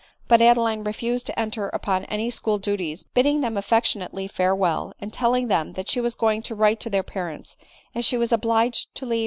But Adeline refused to enter upon any school duties, bidding them affectionately farewell, and telling them that she was going to write to their parents, as she was obliged to* leave